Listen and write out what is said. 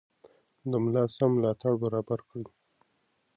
د ملا سم ملاتړ برابر کړئ.